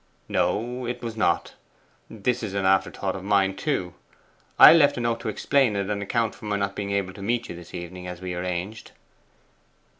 'No, it was not. This is an afterthought of mine too. I left a note to explain it, and account for my not being able to meet you this evening as we arranged.